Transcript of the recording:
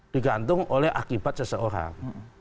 digantung oleh akibat seseorang